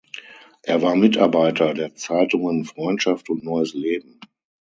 Er war Mitarbeiter der Zeitungen "Freundschaft" und "Neues Leben".